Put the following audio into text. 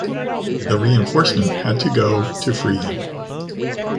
The reinforcement had to go to free him.